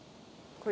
これ。